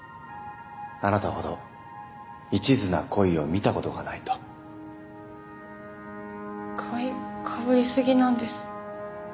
あなたほど一途な恋を見たことがないと買いかぶりすぎなんです